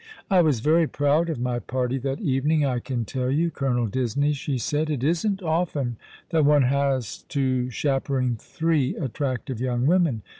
" I was very proud of my party that evening, I can tell you, Colonel Disney," she said. " It isn't often that one has to chaperon three attractive young women.